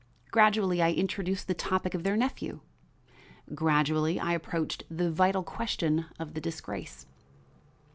Gradually I introduced the topic of their nephew; gradually I approached the vital question of the disgrace.